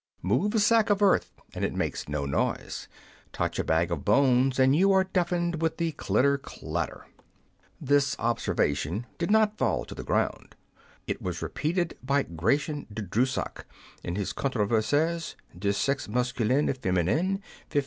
Move a sack of earth and it makes no noise ; touch a bag of bones and you are deafened with the clitter clatter." This observation did not fall to the ground ; it was repeated by Gratian de Drusac in his Contro versies des Sexes Masculin et F^minin^ 1538.